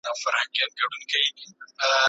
¬ چي وې غواړې په خوله، و بې خورې په څه؟